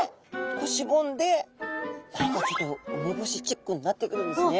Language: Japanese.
こうしぼんで何かちょっとウメボシチックになってくるんですね。